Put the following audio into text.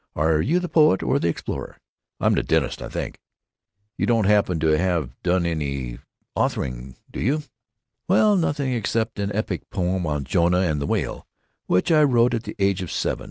Are you the poet or the explorer?" "I'm the dentist. I think——You don't happen to have done any authoring, do you?" "Well, nothing except an epic poyem on Jonah and the Whale, which I wrote at the age of seven.